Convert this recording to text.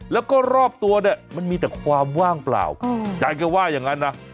แล้วก็รอบตัวเนี่ยมันมีแต่ความว่างเปล่ายายก็ว่าอย่างนั้นนะ